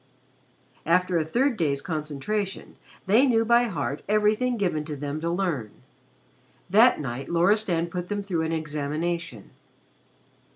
After a third day's concentration they knew by heart everything given to them to learn. That night Loristan put them through an examination.